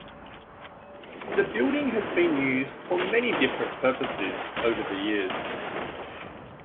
The building has been used for many different purposes over the years.